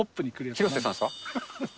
広末さんですか？